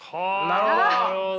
なるほど！